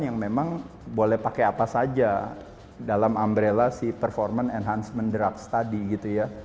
yang memang boleh pakai apa saja dalam umbrella si performance enhancement drups tadi gitu ya